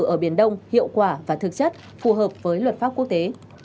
ở biển đông hiệu quả và thực chất phù hợp với luật pháp quốc tế